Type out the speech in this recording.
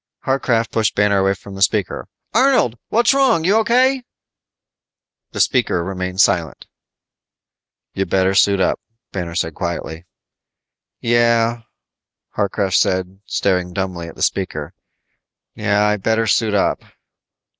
Harcraft pushed Banner away from the speaker. "Arnold, what's wrong, you O.K.?" The speaker remained silent. "You better suit up," Banner said quietly. "Yeah," Harcraft said, staring dumbly at the speaker. "Yeah, I better suit up."